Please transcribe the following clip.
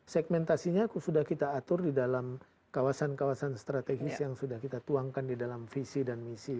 segmentasinya sudah kita atur di dalam kawasan kawasan strategis yang sudah kita tuangkan di dalam visi dan misi